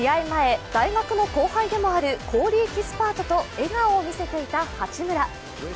前大学の後輩でもあるコーリー・キスパートと笑顔を見せていた八村。